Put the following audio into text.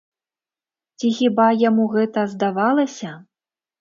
Ці хіба яму гэта здавалася?